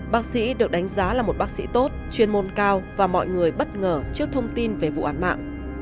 bác sĩ được đánh giá là một bác sĩ tốt chuyên môn cao và mọi người bất ngờ trước thông tin về vụ án mạng